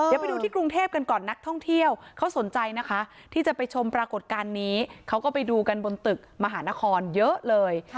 เดี๋ยวไปดูที่กรุงเทพกันก่อนนักท่องเที่ยวเขาสนใจนะคะที่จะไปชมปรากฏการณ์นี้เขาก็ไปดูกันบนตึกมหานครเยอะเลย